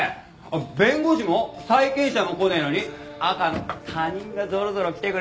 弁護士も債権者も来ねえのに赤の他人がぞろぞろ来てくれちゃって。